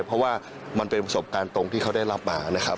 เพราะว่ามันเป็นประสบการณ์ตรงที่เขาได้รับมานะครับ